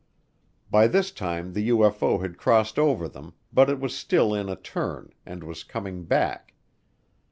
By this time the UFO had crossed over them but it was still in a turn and was coming back.